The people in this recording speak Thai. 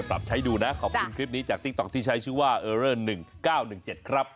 ปรับใช้ดูนะขอบคุณคลิปนี้จากติ๊กต๊อกที่ใช้ชื่อว่าเออเลอร์๑๙๑๗ครับ